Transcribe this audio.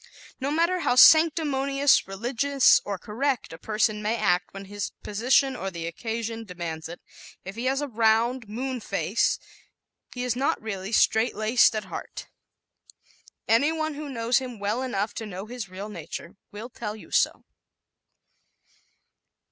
No matter how sanctimonious, religious or correct a person may act when his position or the occasion demands it, if he has a round, "moon" face he is not really straight laced at heart. Any one who knows him well enough to know his real nature will tell you so.